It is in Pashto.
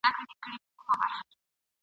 انسانان به وي اخته په بدو چارو !.